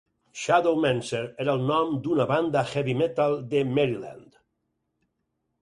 Shadowmancer era el nom d'una banda heavy-metal de Maryland.